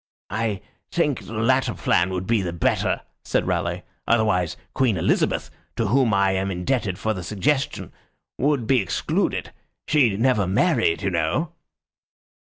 "I think the latter plan would be the better," said Raleigh. "Otherwise Queen Elizabeth, to whom I am indebted for the suggestion, would be excluded. She never married, you know."